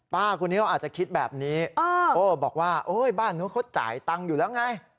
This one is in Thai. ป้าคนนี้เขาอาจจะคิดแบบนี้โอ้บอกว่าโอ้ยบ้านนู้นเขาจ่ายตังค์อยู่แล้วไง